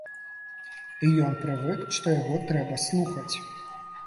І ён прывык, што яго трэба слухаць.